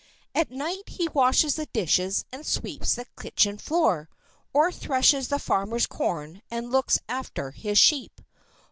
At night he washes the dishes and sweeps the kitchen floor, or threshes the farmer's corn and looks after his sheep.